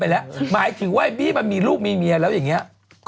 แต่ก็ไม่ได้หิวเธอโอ๊ยดาราเยอะมาก